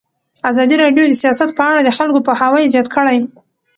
ازادي راډیو د سیاست په اړه د خلکو پوهاوی زیات کړی.